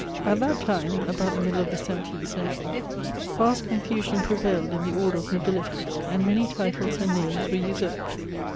At that time (about the middle of the seventeeth century), vast ponfusion prevailed in the order of nobility; and many titles and names were usurped.